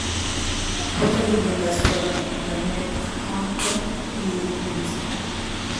Otras leyendas fueron Lionel Hampton y Eddie Vinson.